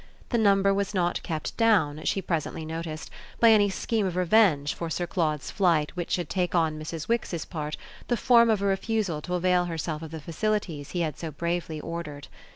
The number was not kept down, she presently noticed, by any scheme of revenge for Sir Claude's flight which should take on Mrs. Wix's part the form of a refusal to avail herself of the facilities he had so bravely ordered.